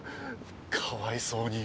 かわいそうに。